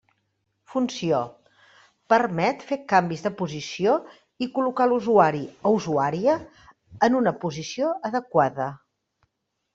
Funció: permet fer canvis de posició i col·locar l'usuari o usuària en una posició adequada.